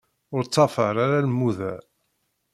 Ur ṭṭafar ara lmuḍa.